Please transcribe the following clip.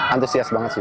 antusias banget sih